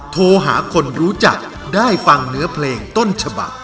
โทรหาคนรู้จักได้ฟังเนื้อเพลงต้นฉบัก